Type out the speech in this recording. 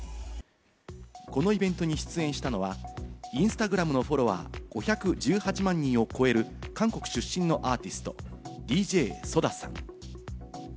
このイベントに出演したのは、インスタグラムのフォロワーは５１８万人を超える韓国出身のアーティスト・ＤＪＳＯＤＡさん。